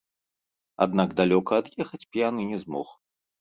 Аднак далёка ад'ехаць п'яны не змог.